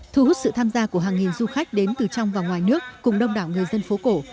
thu hút sự tham gia của hàng nghìn du khách đến từ trong và ngoài nước cùng đông đảo người dân phố cổ